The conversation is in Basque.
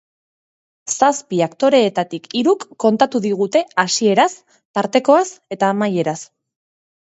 Zazpi aktoretatik hiruk kontatu digute hasieraz, tartekoaz, eta amaieraz.